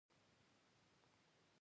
انسان د لوی خدای خلیفه شمېرل کیږي.